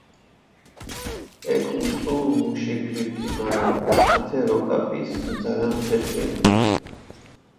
ექ უწუუ მუში ფირქი, მარა ათე როკაპისჷ ძალამქჷ ეწყინჷ.